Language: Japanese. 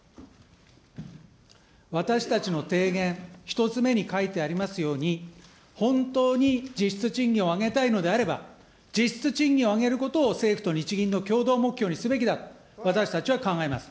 私たちの提言、１つ目に書いてありますように、本当に実質賃金を上げたいのであれば、実質賃金を上げることを、政府と日銀の共同目標にすべきだと私たちは考えます。